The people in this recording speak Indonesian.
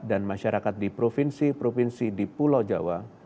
dan masyarakat di provinsi provinsi di pulau jawa